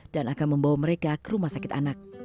dan akan membawa mereka ke rumah sakit anak